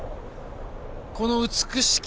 この美しき